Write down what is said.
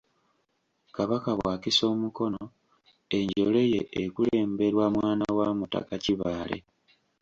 Kabaka bw’akisa omukono enjole ye ekulemberwa mwana wa Mutaka Kibaale.